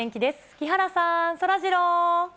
木原さん、そらジロー。